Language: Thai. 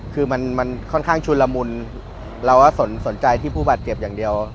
คือมันค่อนข้างชุนละมุนเราก็สนใจที่ผู้บาดเจ็บอย่างเดียว